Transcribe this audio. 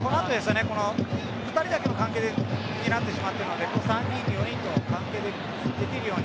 この後ですよね２人だけの関係になってしまっているので３人４人の関係にできるように。